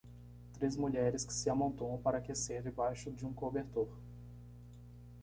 Três mulheres que se amontoam para aquecer debaixo de um cobertor.